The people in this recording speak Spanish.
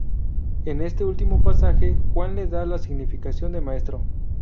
En este último pasaje Juan le da la significación de "Maestro".